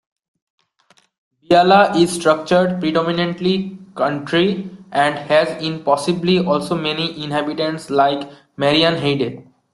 Biala is structured predominantly country and has in possibly also many inhabitants like Marienheide.